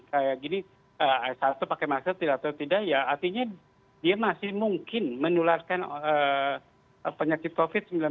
kayak gini satu pakai masker tidak atau tidak ya artinya dia masih mungkin menularkan penyakit covid sembilan belas